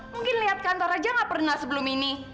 mungkin lihat kantor aja gak pernah sebelum ini